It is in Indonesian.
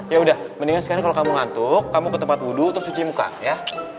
ya udah mendingan kalau kamu ngantuk kamu ke tempat wudhu untuk cuci muka ya